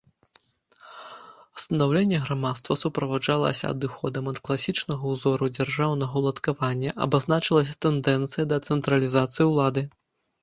Станаўленне грамадства суправаджалася адыходам ад класічнага ўзору дзяржаўнага ўладкавання, абазначылася тэндэнцыя да дэцэнтралізацыі ўлады.